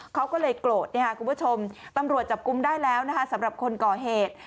เขาก็เลยโกรธคุณผู้ชมตำรวจจับกุมได้แล้วนะคะสำหรับคนก่อเหตุ